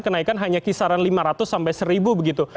kenaikan hanya kisaran rp lima ratus sampai rp satu begitu